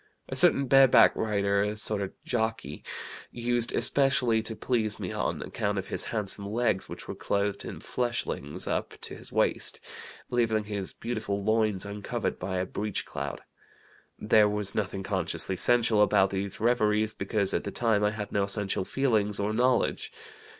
A certain bareback rider, a sort of jockey, used especially to please me on account of his handsome legs, which were clothed in fleshlings up to his waist, leaving his beautiful loins uncovered by a breech clout. There was nothing consciously sensual about these reveries, because at the time I had no sensual feelings or knowledge.